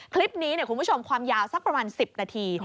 คลิปนี้คุณผู้ชมความยาวสักประมาณ๑๐นาที